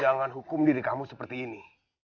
jangan hukum diri kamu seperti ini